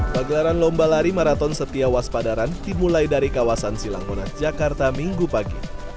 pagelaran lomba lari maraton setiawas padaran dimulai dari kawasan silangmonat jakarta minggu pagi